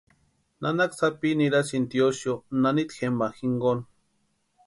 Nanaka sapi nirasïnti tiosïo nanita jempa jinkoni.